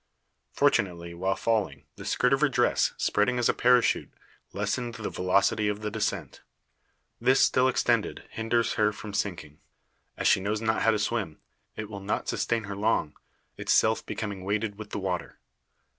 Fortunately, while falling, the skirt of her dress, spreading as a parachute, lessened the velocity of the descent. This still extended, hinders her from sinking. As she knows not how to swim, it will not sustain her long; itself becoming weighted with the water.